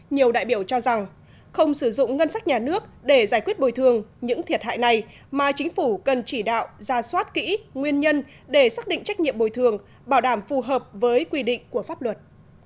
nhiều đại biểu cho rằng không sử dụng ngân sách nhà nước để giải quyết bồi thường những thiệt hại này mà chính phủ cần chỉ đạo ra soát kỹ nguyên nhân để xác định trách nhiệm bồi thường bảo đảm phù hợp với quy định của pháp luật